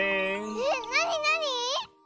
えっなになに？